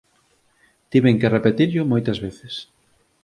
Tiven que repetirllo moitas veces